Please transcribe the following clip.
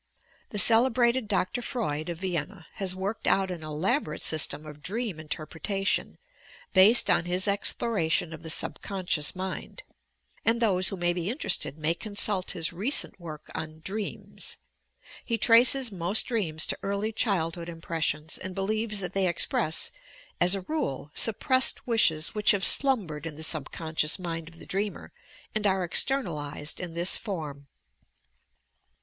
The cele brated Dr. Freud of Vienna has worked out an elaborate system of dream interpretation, based on his exploration of the subconscious mind, and those who may be in terested may consult his recent work on "Dreams." He traces most dreams to early childhood impressions, and believes that they express, as a rule, suppressed wishes which have slumbered in the subconscious mind of the dreamer and are "externalized" in this form.